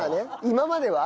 今までは？